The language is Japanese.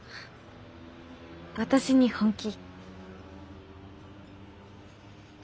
私に本気？